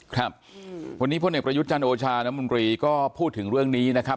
ครับวันนี้พลเอกประยุทธ์จันทร์โอชาน้ำมนตรีก็พูดถึงเรื่องนี้นะครับ